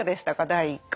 第１回。